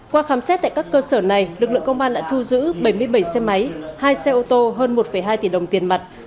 qua khám xét tại các cơ sở này lực lượng công an đã thu giữ bảy mươi bảy xe máy hai xe ô tô hơn một hai tỷ đồng tiền mặt